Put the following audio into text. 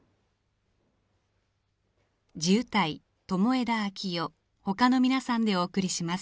地謡友枝昭世ほかの皆さんでお送りします。